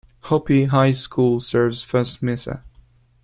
Hopi High School serves First Mesa.